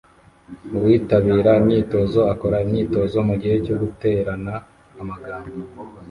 Uwitabira imyitozo akora imyitozo mugihe cyo guterana amagambo